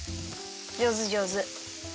じょうずじょうず。